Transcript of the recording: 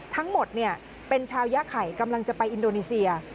ทั้งหมดเป็นชาวย่าไข่กำลังจะไปอินโดนีเซีย